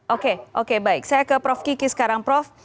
oke oke baik saya ke prof kiki sekarang prof